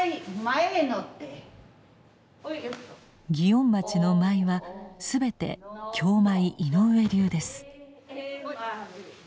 祇園町の舞は全て「京舞井上流」です。